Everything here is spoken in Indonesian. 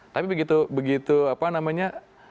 tapi begitu begitu apa namanya